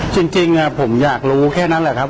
จริงผมอยากรู้แค่นั้นแหละครับ